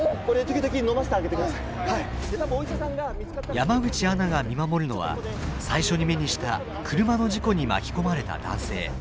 山口アナが見守るのは最初に目にした車の事故に巻き込まれた男性。